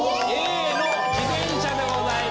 「Ａ」の自転車でございます。